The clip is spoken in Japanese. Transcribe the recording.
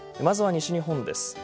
まずは西日本です。